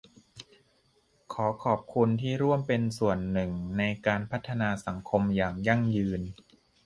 ขอขอบคุณที่ร่วมเป็นส่วนหนึ่งในการพัฒนาสังคมอย่างยั่งยืน